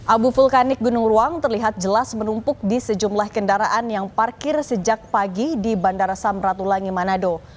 abu vulkanik gunung ruang terlihat jelas menumpuk di sejumlah kendaraan yang parkir sejak pagi di bandara samratulangi manado